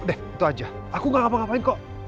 deh itu aja aku gak ngapa ngapain kok